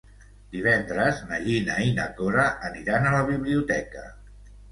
Divendres na Gina i na Cora aniran a la biblioteca.